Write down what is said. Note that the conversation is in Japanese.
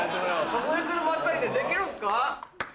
数えてるばっかりでできるんすか？